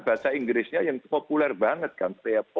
bahasa inggrisnya yang populer banget kan